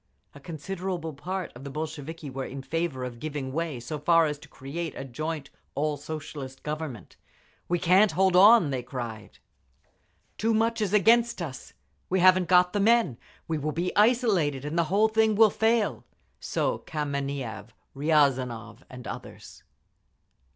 A considerable part of the Bolsheviki were in favour of giving way so far as to create a joint all Socialist government. "We can't hold on!" they cried. "Too much is against us. We haven't got the men. We will be isolated, and the whole thing will fall." So Kameniev, Riazanov and others.